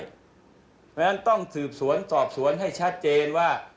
เพราะฉะนั้นต้องสืบสวนสอบสวนให้ชัดเจนว่า